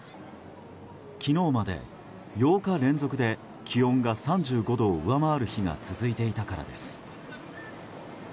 昨日まで８日連続で気温が３５度を上回る日が続いていたからです。